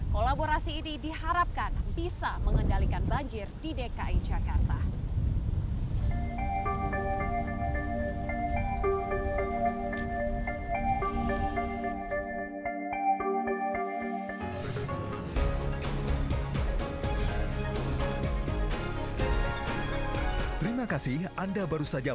kolaborasi ini diharapkan bisa mengendalikan banjir di dki jakarta